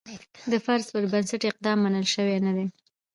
د فرض پر بنسټ اقدام منل شوی نه دی.